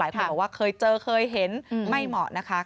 คนบอกว่าเคยเจอเคยเห็นไม่เหมาะนะคะ